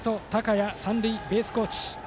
陽三塁ベースコーチ。